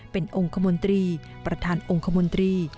เป็นองค์คมนตรีประธานองค์คมนตรี